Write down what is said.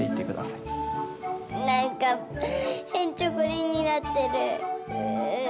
なんかへんちょこりんになってる。